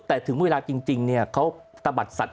แต่ถึงเวลาจริงเขาตะบัดสัตว